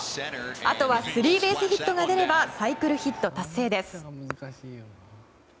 あとはスリーベースヒットが出ればサイクルヒット達成です。